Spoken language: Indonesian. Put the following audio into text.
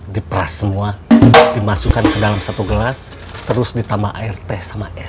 diperas semua dimasukkan ke dalam satu gelas terus ditambah air teh sama es